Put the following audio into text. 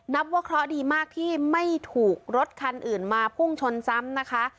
นับว่าเคราะห์ดีมากที่ไม่ถูกรถคันอื่นมาพุ่งชนซ้ำนะคะ